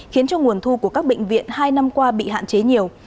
bệnh viện hai năm qua bị hạn chế nhiều